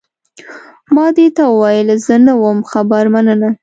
ما دې ته وویل، زه نه وم خبر، مننه.